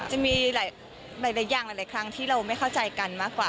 จะมีหลายอย่างหลายครั้งที่เราไม่เข้าใจกันมากกว่า